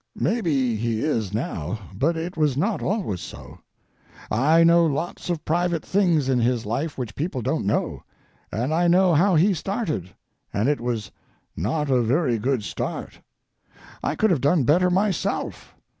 Maybe he is now, but it was not always so. I know lots of private things in his life which people don't know, and I know how he started; and it was not a very good start. I could have done better myself.